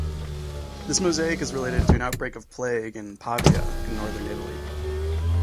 This mosaic is related to an outbreak of plague in Pavia, in northern Italy.